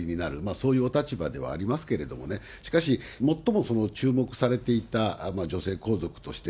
そういうお立場ではありますけれどもね、しかし、最も注目されていた女性皇族として、